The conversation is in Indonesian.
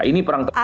ini perang tersebut